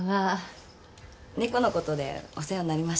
猫のことでお世話になりました。